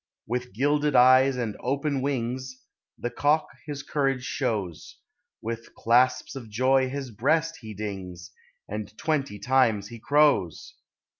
With gilded eyes and open wings, The cock his courage shows ; With claps of joy his breast he dings, And twenty times he crows.